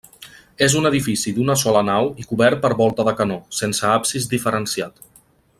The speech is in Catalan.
És un edifici d'una sola nau i cobert per volta de canó, sense absis diferenciat.